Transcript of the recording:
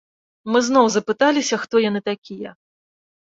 Мы зноў запыталіся, хто яны такія.